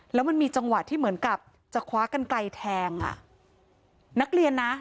แล้วมันมีจังหวะที่เหมือนกับจะคว้ากันไกลแทงอ่ะนักเรียนนะ